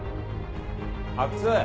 阿久津！